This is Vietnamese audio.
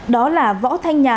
đó là võ thanh nhật